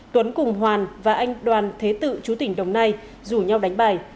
tuấn cùng hoàn và anh đoàn thế tự chú tỉnh đồng nai rủ nhau đánh bài